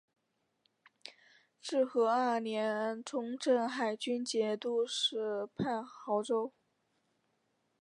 至和二年充镇海军节度使判亳州。